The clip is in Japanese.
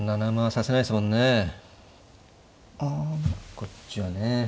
こっちはね。